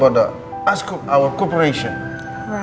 so that's why ini pagi kita harus kembali singapura